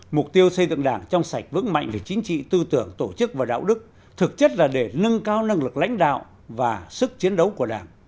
mục tiêu xây dựng đảng trong sạch vững mạnh về chính trị tư tưởng tổ chức và đạo đức thực chất là để nâng cao năng lực lãnh đạo và sức chiến đấu của đảng